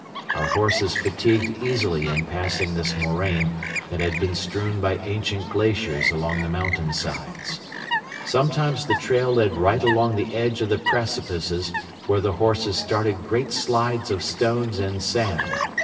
Our horses fatigued easily in passing this moraine that had been strewn by ancient glaciers along the mountain sides. Sometimes the trail led right along the edge of the precipices where the horses started great slides of stones and sand.